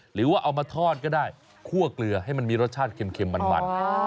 หรือว่าเอามาทอดก็ได้คั่วเกลือให้มันมีรสชาติเค็มมัน